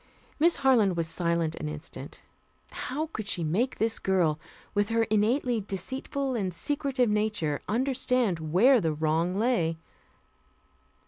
Miss Harland was silent an instant. How could she make this girl, with her innately deceitful and secretive nature, understand where the wrong lay?